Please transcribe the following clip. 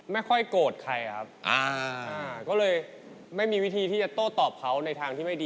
ไม่ค่อยโกรธใครครับ